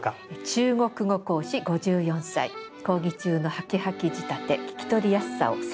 「中国語講師５４歳講義中のハキハキ仕立て聞き取りやすさを添えて」。